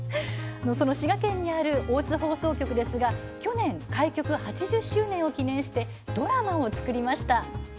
その滋賀県にあるのが大津放送局ですが去年、開局８０周年を記念してドラマを作りました。